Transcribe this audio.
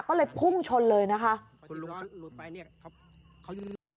ก็เลยพุ่งชนเลยนะคะ